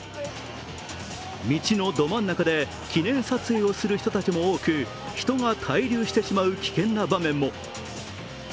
道のど真ん中で記念撮影をする人たちも多く、人が滞留してしまう危険な場面も。